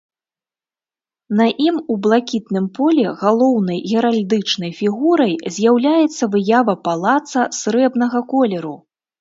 На ім у блакітным полі галоўнай геральдычнай фігурай з'яўляецца выява палаца срэбнага колеру.